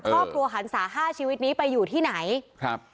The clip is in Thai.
หันศาห้าชีวิตนี้ไปอยู่ที่ไหนครับ